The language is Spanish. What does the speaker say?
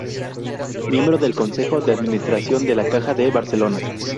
Miembro del Consejo de Administración de la Caja de Barcelona.